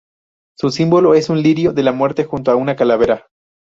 Su símbolo es un Lirio de la Muerte junto a una calavera.